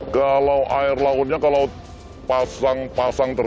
galau air lautnya kalau pasang pasang tersebut